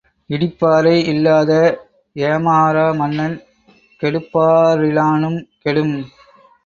இடிப்பாரை இல்லாத ஏமரா மன்னன் கெடுப்பா ரிலானுங் கெடும்.